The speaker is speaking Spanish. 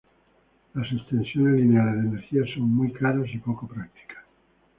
Las extensiones lineales de energía son muy caras y poco prácticas.